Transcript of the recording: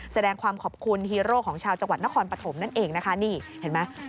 แสดงความขอบคุณฮีโร่ของชาวจังหวัดนครปฐมนั่นเองนะคะนี่เห็นไหม